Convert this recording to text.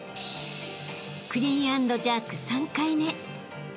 ［クリーン＆ジャーク３回目］